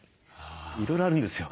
いろいろあるんですよ。